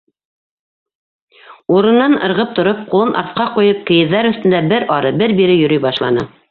Урынынан ырғып тороп, ҡулын артҡа ҡуйып, кейеҙҙәр өҫтөндә бер ары, бер бире йөрөй башланы.